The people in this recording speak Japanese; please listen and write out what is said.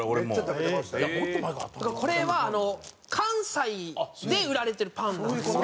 これは関西で売られてるパンなんですよ。